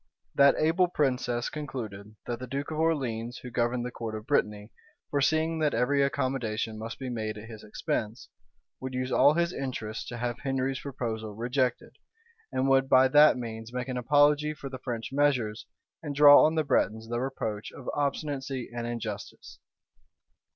That able princess concluded, that the duke of Orleans, who governed the court of Brittany, foreseeing that every accommodation must be made at his expense, would use all his interest to have Henry's proposal rejected; and would by that means make an apology for the French measures, and draw on the Bretons the reproach of obstinacy and injustice.